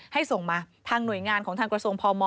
ส่งมาทางหน่วยงานของทางกระทรวงพม